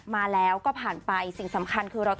มาแล้วก็ผ่านไปสิ่งสำคัญคือ